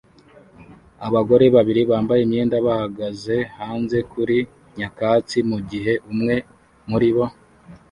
Abagore babiri bambaye imyenda bahagaze hanze kuri nyakatsi mugihe umwe muribo